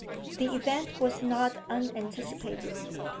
The event was not unanticipated.